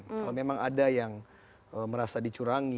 kalau memang ada yang merasa dicurangi